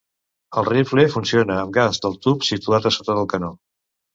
El rifle funciona amb gas del tub situat a sota del canó.